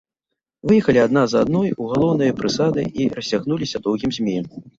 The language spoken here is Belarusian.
Выехалі адна за адной у галоўныя прысады і расцягнуліся доўгім змеем.